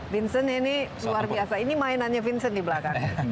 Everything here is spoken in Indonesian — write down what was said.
vincent ini luar biasa ini mainannya vincent di belakangnya